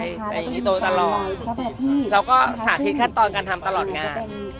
อย่างนี้โตตลอดเราก็สาธิตขั้นตอนการทำตลอดงาน